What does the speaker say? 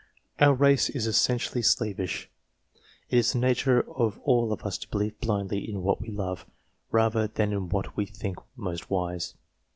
Our race is essentially slavish ; it is the nature of all of us to believe blindly in what we love, rather than in that which we think most wise.